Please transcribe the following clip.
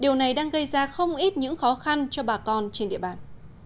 điều này đang gây ra không ít những khó khăn cho bà con trên địa bàn